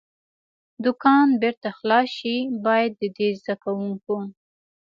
دوکان بېرته خلاص شي، باید د دې زده کوونکو.